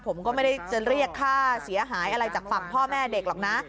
ผมก็ไม่ได้จะเรียกค่าเสียหายอะไรจากฝั่งพ่อแม่เด็กหรอกนะ